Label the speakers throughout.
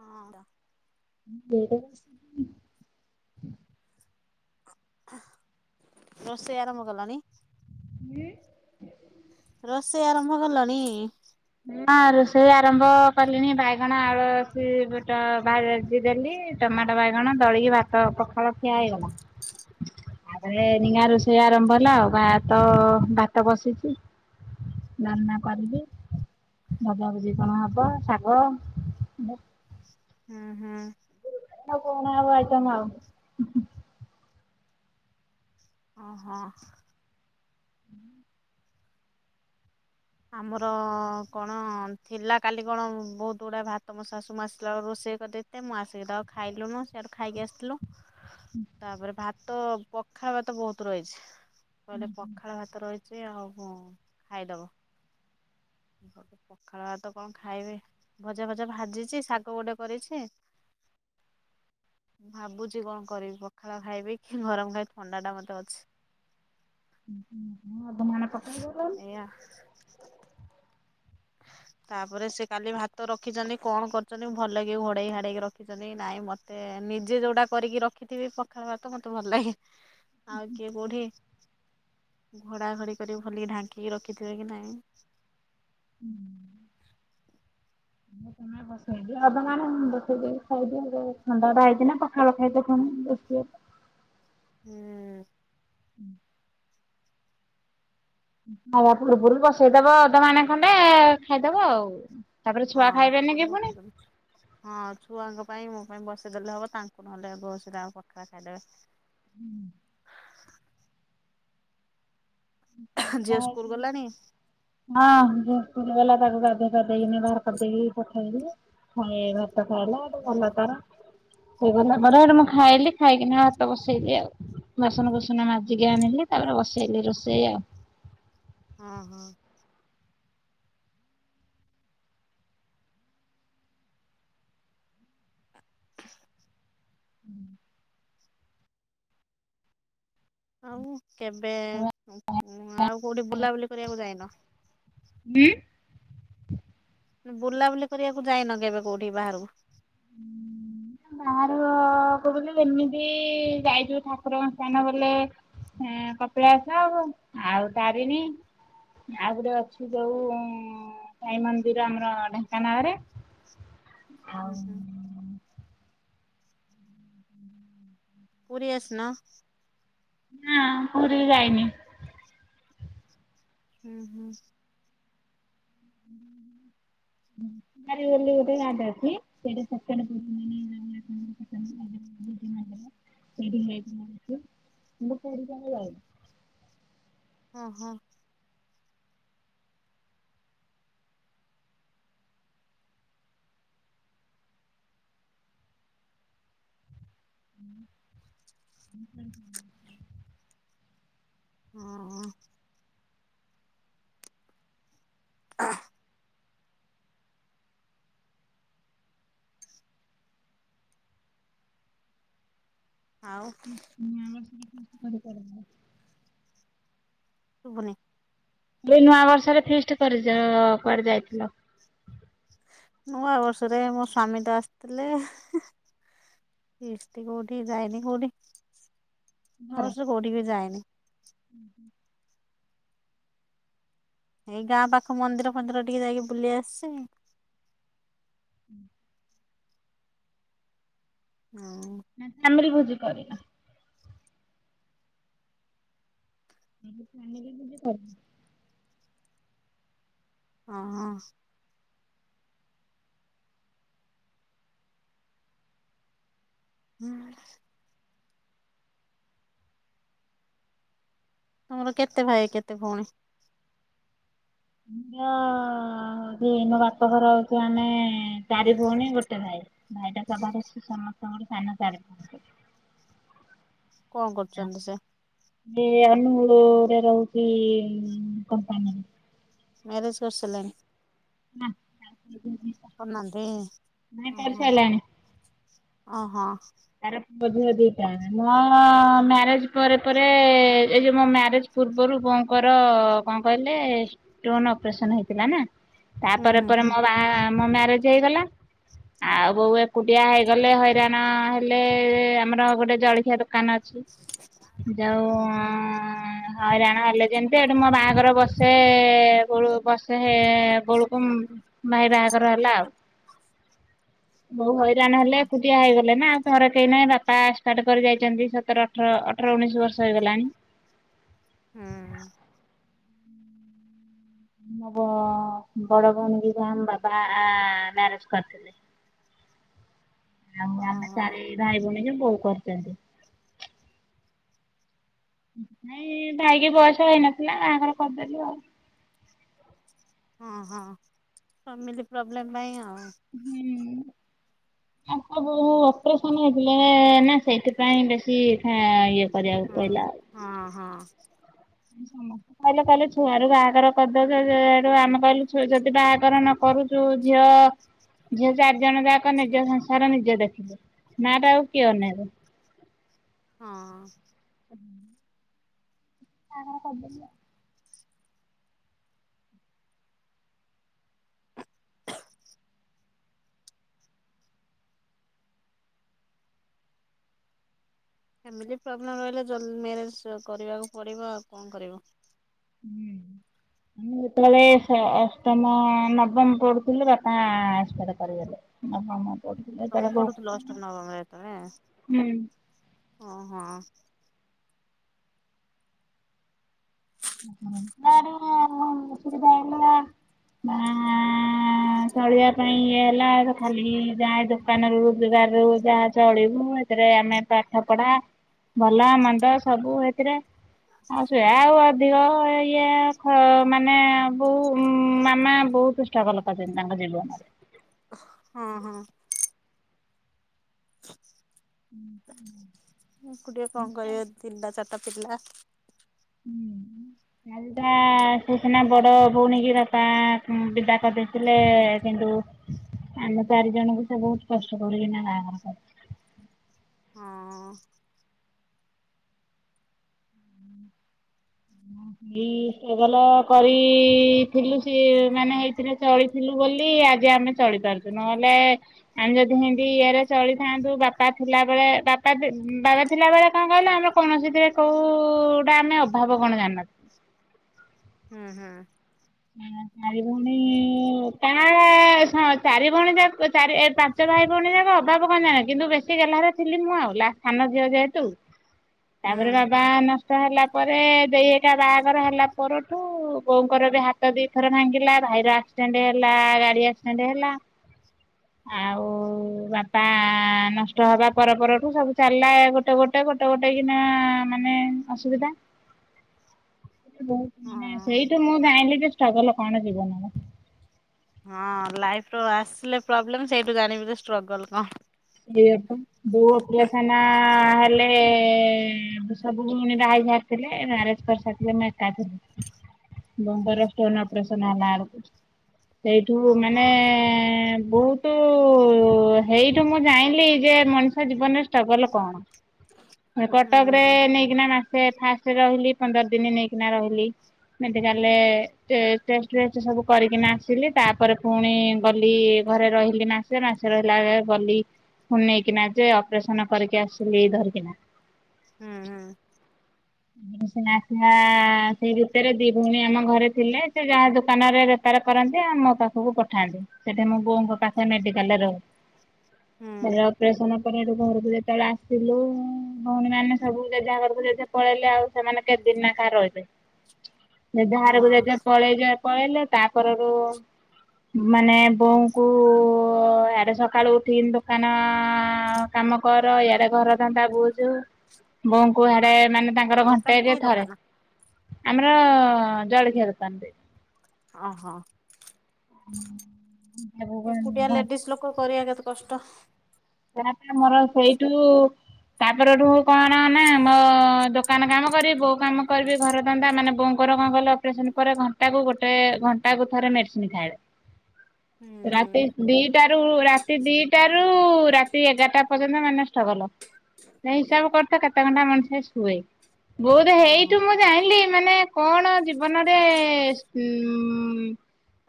Speaker 1: ହଁ।
Speaker 2: [unintelligible]
Speaker 1: ରୋଷେଇ ଆରମ୍ଭ କଲଣି?
Speaker 2: ହୁଁ।
Speaker 1: ରୋଷେଇ ଆରମ୍ଭ କଲଣି?
Speaker 2: ହଁ ରୋଷେଇ ଆରମ୍ଭ କଲିଣି ବାଇଗଣ ଆଳୁ [unintelligible] ଭାଜି ଦେଲି। ଟମାଟୋ ବାଇଗଣ ଦଳିକି ଭାତ ପଖାଳ ଖିଆ ହେଇଗଲା। ତା ନିଙ୍ଗା ରୋଷେଇ ଆରମ୍ଭ ହେଲା ଆଉ ବା ତ ଭାତ ବସିଚି ଡ଼ାଲମା କରିବି। ଭଜାଭୁଜି କଣ ହବ ଶାଗ
Speaker 1: ହୁଁ ହୁଁ।
Speaker 2: ଆଉ କଣ ଆଉ ଆଇଟମ ଆଉ।
Speaker 1: ଓ ହଁ।
Speaker 2: ହୁଁ।
Speaker 1: ଆମର କଣ ଥିଲା କାଲି କଣ ବୋହୁତୁ ଗୁଡ଼ାଏ ଭାତ ମୋଶାଶୁ ମା ଆସିଲା ରୋଷେଇ କରିଦେଇ ତେ ମୁଁ ଆସିକି ତ ଖାଇଲୁନୁ ସେଆଡୁ ଖାଇକି ଆସିଥିଲୁ। ତାପରେ ଭାତ ପଖାଳ ଭାତ ବହୁତ ରହିଛି। କଇଲେ ପଖାଳ ଭାତ ରହିଚି ଆଉ ଖାଇଦବ। ପଖାଳ ଭାତ କଣ ଖାଇବି ଭଜାଭଜା ଭାଜିଚି ଶାଗ ଗୋଟେ କରିଛି।
Speaker 2: [unintelligible]
Speaker 1: ଭାବୁଚି କଣ କରିବି ପଖାଳ ଖାଇବି କି ଗରମ ଖାଇିବି ଥଣ୍ଡା ଟା ମତେ ଅଛି।
Speaker 2: ହୁଁ ହୁଁ ହୁଁ ଅଧ ମାଣେ ପକେଇ ଦେଲନି।
Speaker 1: ଏଇଆ
Speaker 2: [unintelligible]
Speaker 1: ତାପରେ ସେ କାଲି ଭାତ ରଖିଚନ୍ତି କଣ କରିଚନ୍ତି ଭଲ କି ଘୋଡ଼େଇ ଘାଡେଇକି ରଖିଚନ୍ତି କି ନାଇଁ ମ ତେ ନିଜେ ଯୋଉଟା କରିକି ରଖିଥିବି ପଖାଳ ଭାତ ମତେ ଭଲ ଲାଗେ। ଆଉ କିଏ କୋଉଠି ଘୋଡ଼ା ଘଡି କରିକ ଭଲିକି ଢାଙ୍କିକି ରଖିଥିବେ କି ନାହିଁ [unintelligible]
Speaker 2: ହ ବସେଇଦିଅ ଆପ [unintelligible] ବସେଇଦ ଖାଇଦିଅ ଥଣ୍ଡା ଟା ହେଇଛି ନା ପଖାଳଖାଇ ତଣି ବସିବ
Speaker 1: ହୁଁ।
Speaker 2: ଖାଇବ ପୁର୍ବରୁ ବସେଇଦବ ଅଧ ମାନେ ଖଣ୍ଡେ ଖାଇଦବ ଆଉ। ତାପରେ ଛୁଆ
Speaker 1: ହଁ ଟିକେ
Speaker 2: ଖାଇବେନି କି ପୁଣି।
Speaker 1: ବସଉଛି ହଁ ଛୁଆଙ୍କ ପାଇଁ ମୋ ପାଇଁ ବସେଇଦେଲେ ହବ ତାଙ୍କୁ ନହେଲେ ବ ସେଟା ପଖାଳ ଖାଇଦେବେ
Speaker 2: ହୁଁ। [unintelligible]
Speaker 1: ଝିଅ ସ୍କୁଲ ଗଲାଣି
Speaker 2: ହଁ ଝିଅ ସ୍କୁଲ୍ ଗଲା ତାକୁ ଗାଧେଇ ପାଧେଇକିନି ବାହାର କରିଦେଇକି ପଠେଇକି ଖଏ ଭାତ ଖାଇଲା ହେଠୁ
Speaker 1: ହଁ
Speaker 2: ଗଲା ତାର ସେ ଗଲା ପରେ ହେଠୁ ମୁଁ ଖାଇଲି ଖାଇକି ନା ଭାତ ବସେଇଲି ଆଉ। ବାସନ କୁସନ ମାଜିକି ଆଣିଲି ତାପରେ ବସେଇଲି ରୋଷେଇ ଆଉ
Speaker 1: ହଁ ହଁ। ଆଉ କେବେ ଆଉ କୋଉଠି ବୁଲାବୁଲି କରିବାକୁ ଯାଇନ?
Speaker 2: ହୁଁ।
Speaker 1: ବୁଲାବୁଲି କରିବାକୁ ଯାଇନ କେବେ କୋଉଠି ବାହାରକୁ?
Speaker 2: ବାହାର କୁ ବୋଲେ ଏମିତି ଯାଇଛୁ ଠାକୁରଙ୍କ ସ୍ଥାନ ବଲେ ହେଁ କପିଳାଶ ଆଉ ତାରିଣୀ ଆଉ ଗୋଟେ ଅଛି ଯୋଉ ସାଇ ମନ୍ଦିର ଆମର ଢେଙ୍କାନାଳରେ ଆଉ
Speaker 1: ହୁଁ ହୁଁ। ପୁରୀ ଆସି ନ?
Speaker 2: ନା ପୁରୀ ଯାଇନି।
Speaker 1: ହୁଁ ହୁଁ।
Speaker 2: ହୁଁ ଗୋଟେ ରାାଗ ଅଛି ସେଟା [inaudible] ରି ହେଇକଛି ମୁୁରିକ ଯାଉ [inaudible]
Speaker 1: ହଁ ହଁ।
Speaker 2: ହଁ ହୁଁ ହୁଁ
Speaker 1: ହଁ ହଁ। ଅ ଆଉ
Speaker 2: ବ କର
Speaker 1: ଶୁଭୁନି
Speaker 2: ଏ ନୂଆ ବର୍ଷରେ ଫିଷ୍ଟି କରିଚ କୁଆଡେ ଯାଇଥିଲ?
Speaker 1: ନୂଆ ବର୍ଷରେ ମୋ ସ୍ଵାମୀ ତ ଆସିଥିଲେ ଫିଷ୍ଟି କୋଉଠି ଯାଇନି କୋଉଠି ଆଉ ବର୍ଷ କୋଉଠି ବି ଯାଇନି
Speaker 2: ହୁଁ ହୁଁ
Speaker 1: ଏଇ ଗାଁ ପାଖ ମନ୍ଦିର ଫନ୍ଦିର ଟିକେ ଯାଇକି ବୁଲି ଆସିଛି
Speaker 2: ହୁଁ
Speaker 1: ଆଉଁ
Speaker 2: ନା ଚାମିରି ଭୋଜି କରିନ [inaudible]
Speaker 1: ହଁ ହଁ। ହୁଁ। ତମର କେତେ ଭାଇ କେତେ ଭଉଣୀ?
Speaker 2: ମୋ ବାପଘର ହଉଛ ଆମେ ଚାରି ଭଉଣୀ ଗୋଟେ ଭାଇ ଭାଇଟା ସବାରେ ସମସ୍ତେ ସବୁଠୁ ସାନ ସିଆରେ
Speaker 1: କଣ କରୁଛନ୍ତି ସେ
Speaker 2: ଏ ଅନୁଗୁଳ ରେ ରହୁଛି କମ୍ପାନୀରେ।
Speaker 1: ମ୍ୟାରେଜ୍ କରିସାରିଲାଣି?
Speaker 2: ହେଲା
Speaker 1: କରନାନ୍ତି
Speaker 2: ବାହା
Speaker 1: ଓ ହ
Speaker 2: କରିସାରିଲାଣି
Speaker 1: ଓ ହୋ।
Speaker 2: ତାର ବଧ ଦିଟା ମୋ ମ୍ୟାରେଜ ପରେ ପରେ ଏଇ ଯୋଉ ମୋ ମାରେଜ ପୂର୍ବରୁ ବୋଉଙ୍କର କଣ କହିଲେ ଷ୍ଟୋନ୍ ଅପରେସନ୍ ହେଇଥିଲା ନା?
Speaker 1: ହୁଁ
Speaker 2: ତାପରେ
Speaker 1: ହୁଁ
Speaker 2: ପରେ
Speaker 1: ହୁଁ
Speaker 2: ମୋ ବାହା ମାରେଜ ହେଇଗଲା ଆଉ ବୋଉ ଏକୁଟିଆ ହେଇଗଲେ ହଇରାଣ ଲେ ଆମର ଗୋଟେ ଜଳଖିଆ ଦୋକାନ ଅଛି ଯାଉ
Speaker 1: ହୁଁ
Speaker 2: ହ ହଇରାଣ ହେଲେ ଯେମତି ଏଠି ମୋ ବାହାଘର ବସେ କ ବସ ସେ ଗୋଳକୁ ଭାଇ ବାହାଘର ହେଲା ଆଉ। ହଉ ହଇରାଣ ହେଲେ ଏକୁଟିଆ ହେଇଗଲେ ନା। ଥରେ କେହି ନାହିଁ ବାପା ଷ୍ଟାର୍ଟ କରି ଯାଇଛନ୍ତି ସତର ଅଠର ଅଠର ଉଣେଇଶି ବର୍ଷ ହେଇଗଲାଣି।
Speaker 1: ହଁ।
Speaker 2: ଆମ ବଡ ଭଉଣୀ ଯ ଆମ ବାବା ମ୍ୟାରେଜ କରିଥିଲେ। ଆଉ ଆମେ
Speaker 1: ଓହୋ
Speaker 2: ଚାରି ଭାଇ ଭଉଣୀ କି ବୋଉ କରିଛନ୍ତି। ନାଇଁ ଭାଇକି ବୟସ ହେଇନଥିଲା କାହାଙ୍କର କରିଦେଲୁ ଆଉ।
Speaker 1: ହଁ ହଁ ଫାମିଲି ପ୍ରୋବ୍ଲେମ୍ ପାଇଁ ଆଉ।
Speaker 2: ହୁଁ। ଆ ବୋ ଅପରେସନ ହେଇଥିଲେ ନା ସେଇଥିପାଇଁ ବେଶୀ ଥା ଇଏ। କରିବାକୁ
Speaker 1: ହଁ
Speaker 2: ପଇଲା।
Speaker 1: ହଁ ହଁ।
Speaker 2: ସମସ୍ତେ କହିଲେ କହିଲେ ଛୁଆ ରୁ ବାହାଘର କରିଦେଉ ଯଡୁ ଆମେ କହିଲୁ ଯଦି ବାହାଘର ନ କରୁଛୁ ଝିଅ ଝିଅ ଚାରିଜଣ ଯାକ ନିଜ ସଂସାର ନିଜ ଦେଖିବେ। ନା ଟା ଆଉ କିଏ ନେବ?
Speaker 1: ହଁ।
Speaker 2: ଆ କରିଦ।
Speaker 1: [inaudible] ଫ୍ୟାମିଲି ପ୍ରୋବ୍ଲେମ୍ ରହିଲେ ଜଲଦି ମ୍ୟାରେଜ କରିବାକୁ ପଡ଼ିବ ଆଉ କଣ କରିବ।
Speaker 2: ହୁଁ ମୁଁ ଯେତେବେଳେ ସ ଅଷ୍ଟମ ନବମ ପଢୁଥିଲି ବାପା ଏକ୍ସପାଡ଼ କରିଗଲେ [unintelligible]
Speaker 1: ତମେ
Speaker 2: ସେତେବେଳକୁ
Speaker 1: ପଢୁଥିଲ ଅଷ୍ଟମ ନବମରେ
Speaker 2: ହୁଁ।
Speaker 1: ତମେ ଓହୋ
Speaker 2: [unintelligible] ସୁବିଧା ହେଲା
Speaker 1: [unintelligible]
Speaker 2: ଚଳିବା ପାଇଁ ଇଏ ହେଲା ଖାଲି ଯାହା ଦୋକାନରୁ ରୋଜଗାରରୁ ଯାହା ଚଳିବୁ ଏଥିରେ ଆମେ ଝଗଡା ଭଲ ମନ୍ଦ ସବୁ ଏଥିରେ ଆଉ ସେୟା ଆଉ ଅଧିକ ଇଏ ଖ ମାନେ ବହୁ ମାମା ବହୁତ ଛୁଆ ଭଲ ପାଆନ୍ତିନି ତାଙ୍କ ଜୀବନରେ
Speaker 1: ହଁ ହଁ ଏକୁଟିଆ କଣ
Speaker 2: ନିଶ୍ଚୟ।
Speaker 1: କରିବ ତିନିଟା ଚାରିଟା ପିଲା
Speaker 2: ହୁଁ ଚାରିଟା ସେ ସିନା ବଡ ଭଉଣୀ କି ବାପା ବିଦା କରିଦେ ଥିଲେ କିନ୍ତୁ ଆମେ ଚାରି ଜଣଙ୍କୁ ସେ ବହୁତ କଷ୍ଟ କରିକିନା ବାହାଘର କରି
Speaker 1: ହଁ
Speaker 2: ଏଇ ଷ୍ଟ୍ରଗଲ କରିଥିଲୁ ସିଏ ମାନେ ହେଇ ସେଥିରେ ଚଳିଥିଲୁ ବୋଲି ଆଜି ଆମେ ଚଳିପାରୁଛୁ ନହେଲେ ଆମେ ଯଦି ମୁଁ ଏମତି ଇଏରେ ଚଳିଥାନ୍ତୁ ବାପା ଥିଲାବେଳେ ବାପା ବାବା ଥିଲାବେଳେ କଣ କହିଲ ଆମ କୌଣସିଥିରେ କୋଉଟା ଆମେ ଅଭାବ କଣ ଜାଣିନ
Speaker 1: ହୁଁ ହୁଁ
Speaker 2: ଚାରି ଭଉଣୀ କାଁ ଶ ଚାରି ଭଉଣୀ ଯାକ ଚାରି ଏ ପାନ ପାଞ୍ଚ ଭାଇ ଭଉଣୀ ଯାକ ଅଭାବ କଣ ଜାଣ କିନ୍ତୁ ବେଶୀ ଗେଲ୍ହାରେ ଥିଲି ମୁଁ ଆଉ ଲାଷ୍ଟ ସାନ ଝିଅ ଯେହେତୁ
Speaker 1: ହୁଁ
Speaker 2: ତାପରେ ବାବା ନ ନଷ୍ଟ ହେଲା ପରେ ଦେଇ ଏକା ବାହାଘର ହେଲା ପରଠୁ ବୋଉଙ୍କର ବି ହା ହାତ ଦିଥର ଭାଙ୍ଗିଲା ଭାଇର ଆକ୍ସିଡେଣ୍ଟ୍ ହେଲା ଗାଡ଼ି ଆକ୍ସିଡେଣ୍ଟ୍ ହେଲା। ଆଉ ବାପା ନଷ୍ଟ ହବା ପର ପରଠୁ ସବୁ ଚାଲିଲା ଗୋଟେ ଗୋ ଗୋଟେ ଗୋଟେ ଗୋଟେ କିନା ମାନେ ଅସୁବିଧା। ବହୁତ୍ ମାନେ
Speaker 1: ହଁ।
Speaker 2: ସେଇଠୁ ମୁଁ ଜାଇଁଲି ଯେ ଷ୍ଟ୍ରଗଲ୍ କଣ ଜୀବନରେ।
Speaker 1: ହଁ ଲାଇଫ୍ ର ଆସିଲେ ପ୍ରୋବ୍ଲେମ୍ ସେଇଠୁ ଜାଣିବ ଯେ ଷ୍ଟ୍ରଗଲ୍ କଣ।
Speaker 2: ସେଇଆ ପା ପୁଅ ପିଲା ସିନା ହେଲେ ସବୁ ଭଉଣୀ ବାହା ହେଇସାରିଥିଲେ ମ୍ୟାରେଜ୍ କରିସାରିଥିଲେ ମୁଁ ଏକା ଥିଲି। ବୋଉଙ୍କର ଷ୍ଟୋନ୍ ଅପରେସନ ହେଲା ବେଳକୁ। ସେଇଠୁ ମାନେ
Speaker 1: ଓହୋ
Speaker 2: ବହୁତ୍ ହେଇ ସେଠୁ ମୁଁ ଜାଇଁଲି ଯେ ମଣିଷ ଜୀବନରେ ଷ୍ଟ୍ରଗଲ୍ କଣ। କଟକରେ
Speaker 1: ହୁଁ
Speaker 2: ନେଇକିନା ମାସେ ଫାଷ୍ଟ୍ ରହିଲି ପନ୍ଦର ଦିନି ନେଇକିନା ରହିଲି। ମେଡ଼ିକାଲରେ ଟେ ଟେଷ୍ଟ୍ ଫେଷ୍ଟ୍ ସବୁ କରିକିନା ଆସିଲି ତାପରେ ପୁଣି ଗଲି। ଘରେ ରହିଲି ମାସେ ମାସେ ରହିଲା ଏ ଗଲି ଫୁଣି ନେଇକିନା ଯେ ଅପରେସନ୍ କରିକି ଆସିଲି ଧରିକିନା।
Speaker 1: ହୁଁ ହୁଁ।
Speaker 2: ମୁଁ ସିନା ଆସିଲା ସେଇ ଭିତରେ ଦି ଭଉଣୀ ଆମ ଘରେ ଥିଲେ ସେ ଯାହା ଦୋକାନରେ ବେପାର କରନ୍ତି ଆଉ ମୋ ପାଖକୁ ପଠାନ୍ତି ସେଠି ମୋ ବୋଉଙ୍କ ପାଖରେ ମେଡ଼ିକାଲ ରେ ରହୁ।
Speaker 1: ହୁଁ
Speaker 2: ଭାଇର ଅପରେସନ୍ [unintelligible] ଘରକୁ ଯେତେବେଳେ ଆସିଲୁ ଭଉଣୀମାନେ ସବୁ ଜେଝା ଘରକୁ ଜେଝ ପଳେଇଲେ ଆଉ ସେମାନେ କେତେ ଦିନ୍ ନେଖା ରହିବେ ଜେଝା ଘରକୁ
Speaker 1: ହଁ।
Speaker 2: ଜେଝା ପଳେଇଲେ। ପଳେଇଲେ ତାପରରୁ ମାନେ ବୋଉଙ୍କୁ ଆଡ଼ୁ ସକାଳୁ ଉଠିକି ଦୋକାନ କାମ କର ଇଆଡ଼େ ଘର ଧନ୍ଦା ବୁଝୁ ବୋଉଙ୍କୁ ଆଡେ ମାନେ ତାଙ୍କର
Speaker 1: ଦୋକାନ
Speaker 2: ଘଣ୍ଟେକେ
Speaker 1: କି
Speaker 2: ଥରେ
Speaker 1: ଦୋକାନ
Speaker 2: ଆମର ଜଳଖିଆ ଦୋକାନ ଟେ।
Speaker 1: ହଁ ହଁ। ଏକୁଟିଆ ଲେଡିସି ଲୋକ କରିବା କେତେ କଷ୍ଟ।
Speaker 2: [unintelligible] ମୋର ସେଇଠୁ ତା ପରଠୁ କଣ ନା ମୋ ଦୋକାନ କାମ କରିବି ବୋଉ କାମ କରିବି ଘର ଦନ୍ଦା ମାନେ ବୋଉ ବୋଉ ର କଣ କହିଲ ଅପରେସନ୍ ପରେ ଘଣ୍ଟା କୁ ଗୋଟେ ଘଣ୍ଟା କୁ ଥରେ ମେଡ଼ିସିନ୍ ଖାଇବେ।
Speaker 1: ହୁଁ ହୁଁ
Speaker 2: ରାତି ଦିଟାରୁ ରାତି ଦିଟା ରୁ ରାତି ଏଗାରଟା ପର୍ଯ୍ୟନ୍ତ ମାନେ ଷ୍ଟ୍ରଗଲ୍ ମାନେ ହିସାବ କରୁଥା କେତେ ଘଣ୍ଟା ମଣିଷ ଶୁଏ। ବହୁତ୍
Speaker 1: ହଁ
Speaker 2: ହେଇଠୁ ମୁଁ ଜାଣିଲି ମାନେ କଣ ଜୀବନରେ ଉଁ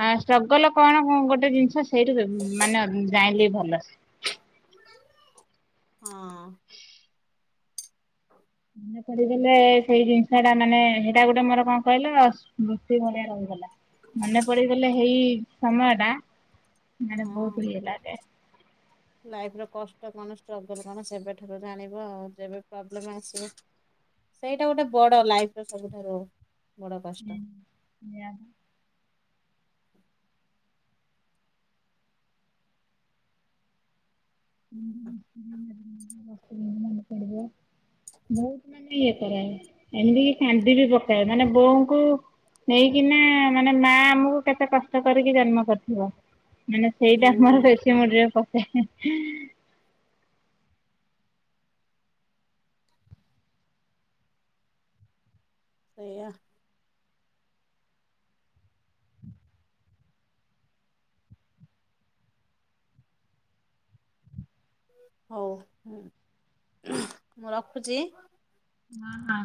Speaker 2: ଆ ଷ୍ଟ୍ରଗଲ୍ କଣ ଗୋଟେ ଜିନିଷ ସେଇଠୁ ମାନେ ଜାଣିଲି ଭଲ ସେ।
Speaker 1: ହଁ।
Speaker 2: କରିଦେଲେ ସେଇ ଜିନିଷ ଟା ମାନେ ସେଇଟା ଗୋଟେ ମୋର କଣ କହିଲ ସ୍ମୃତି ଭଳିଆ ରହିଗଲା। ମନେ ପଡ଼ିଗଲେ ହେଇ ସମୟଟା ମାନେ ବହୁତ୍ ଇଏ ଲାଗେ।
Speaker 1: ଲାଇଫ୍ ର କଷ୍ଟ କଣ ଷ୍ଟ୍ରଗଲ୍ କଣ ସେବେଠାରୁ ଜାଣିବ ଯେବେ ପ୍ରୋବ୍ଲେମ୍ ଆସିବ। ସେଇଟା ଗୋଟେ ବଡ଼ ଲାଇଫ୍ ର ସବୁଠାରୁ ବଡ଼
Speaker 2: ହୁଁ।
Speaker 1: କଷ୍ଟ।
Speaker 2: [unintelligible] [unintelligible] ମନେପଡି଼ବ। ବହୁତ୍ ମାନେ ଇଏ କରାଏ ଏମିତି କି କାନ୍ଦି ବି ପକାଏ ମାନେ ବୋଉଙ୍କୁ ନେଇକିନା ମାନେ ମା ଆମକୁ କେତେ କଷ୍ଟ କରିକି ଜନ୍ମ କରିଥିବ। ମାନେ ସେଇଟା ଆମର
Speaker 1: ହୁଁ
Speaker 2: ବେଶୀ ମନେ ପକାଏ।
Speaker 1: ସେଇଆ। ହଉ ହୁଁ ମୁଁ ରଖୁଛି।
Speaker 2: ହଁ ହଁ।